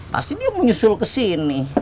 pasti dia menyusul ke sini